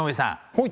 はい。